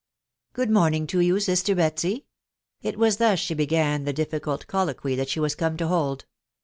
••' Good mornipg to you, sister Betsy/' it was thus she began the difficult colloquy that she was come to hold.